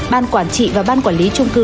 ban quản trị và ban quản lý trung cư